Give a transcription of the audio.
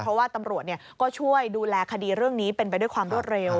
เพราะว่าตำรวจก็ช่วยดูแลคดีเรื่องนี้เป็นไปด้วยความรวดเร็ว